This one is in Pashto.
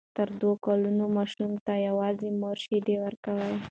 تر دوو کلونو ماشومانو ته یوازې مور شیدې ورکړئ.